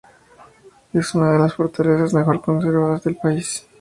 Es una de las fortalezas mejor conservadas del país.